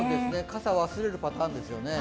傘、忘れるパターンですよね。